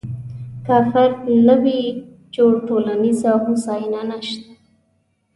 که فرد نه وي جوړ، ټولنیزه هوساینه نشته.